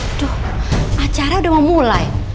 aduh acara udah mau mulai